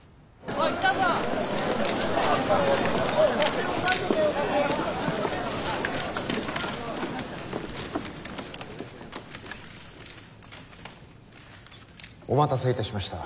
お待たせいたしました。